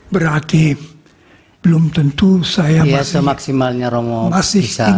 berarti belum tentu saya masih